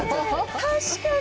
確かに。